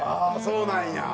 そうなんや。